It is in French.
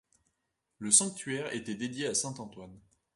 Le sanctuaire était dédié à saint Antoine.